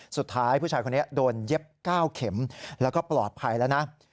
สุดท้ายผู้ชายคนนี้โดนเย็บ๙เข็มแล้วก็ปลอดภัยแล้วนะ